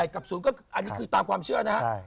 กับ๐ก็คืออันนี้คือตามความเชื่อนะฮะ